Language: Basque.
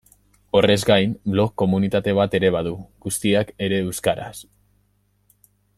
Horrez gain, blog komunitate bat ere badu, guztiak ere euskaraz.